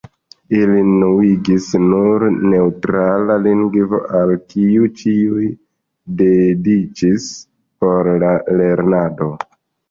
Ilin unuigis nur neŭtrala lingvo, al kiu ĉiuj dediĉis por la lernado.